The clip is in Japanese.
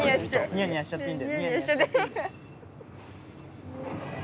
ニヤニヤしちゃっていい。